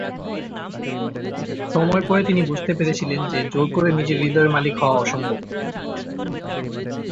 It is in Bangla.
সময়ের পরে তিনি বুঝতে পেরেছিলেন যে জোর করে নিজের হৃদয়ের মালিক হওয়া অসম্ভব।